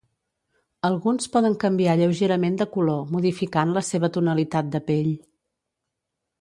Alguns poden canviar lleugerament de color, modificant la seva tonalitat de pell.